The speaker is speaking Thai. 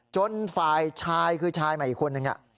จนฝ่ายชายคือชายใหม่อีกคนนึง